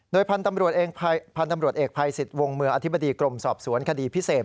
โดยพันธุ์ตำรวจเอกภัยสิทธิ์วงเมืองอธิบดีกรมสอบสวนคดีพิเศษ